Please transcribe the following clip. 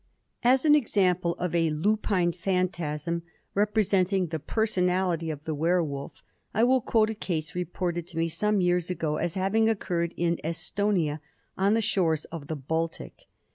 As an example of a lupine phantasm representing the personality of the werwolf, I will quote a case, reported to me some years ago as having occurred in Estonia, on the shores of the Baltic.